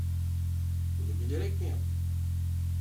Bunu bilerek mi yaptın?